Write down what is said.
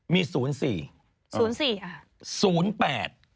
มี๐๔๐๔อ่ะ